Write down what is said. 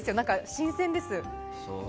新鮮です。